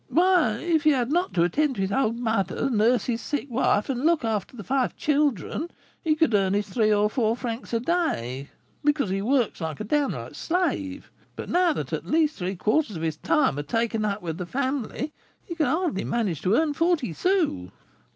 "Why, if he had not to attend to his old mother, nurse his sick wife, and look after the five children, he could earn his three or four francs a day, because he works like a downright slave; but now that at least three quarters of his time are taken up with the family, he can hardly manage to earn forty sous."